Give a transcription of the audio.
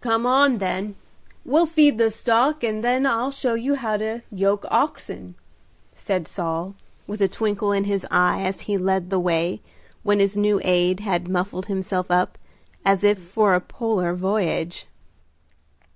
"Come on, then; we'll feed the stock, and then I'll show you how to yoke oxen," said Saul, with a twinkle in his eye as he led the way, when his new aide had muffled himself up as if for a polar voyage.